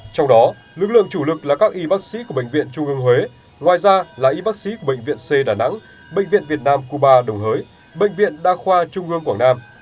trong đó lực lượng chủ lực là các y bác sĩ của bệnh viện trung ương huế ngoài ra là y bác sĩ của bệnh viện c đà nẵng bệnh viện việt nam cuba đồng hới bệnh viện đa khoa trung ương quảng nam